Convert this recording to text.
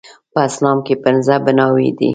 په اسلام کې پنځه بناوې دي